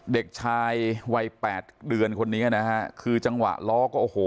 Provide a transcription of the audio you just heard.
เด็กชายวัยแปดเดือนคนนี้นะฮะคือจังหวะล้อก็โอ้โห